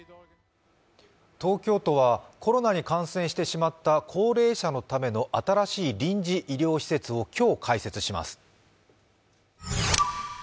東京都はコロナに感染してしまった高齢者のための新しい臨時医療施設を今日、開設します。